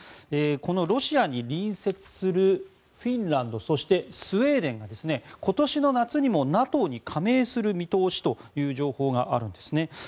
このロシアに隣接するフィンランドそしてスウェーデンが今年の夏にもＮＡＴＯに加盟する見通しという情報があるんですね。